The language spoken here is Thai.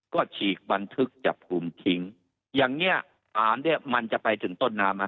ก็ฉีกบันทึกจับกลุ่มทิ้งอย่างเงี้ยฐานเนี้ยมันจะไปถึงต้นน้ำอ่ะ